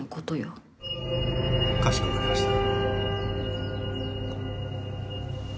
かしこまりました。